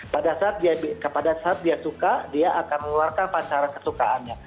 pada saat dia suka dia akan meluarkan pasaran kesukaannya